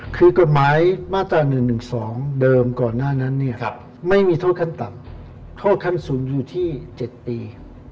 คือกฎหมายมาตรา๑๑๒เดิมก่อนหน้านั้นเนี่ยไม่มีโทษขั้นต่ำโทษขั้นสูงอยู่ที่๗ปี